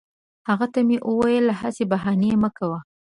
هغې ته مې وویل هسي بهانې مه کوه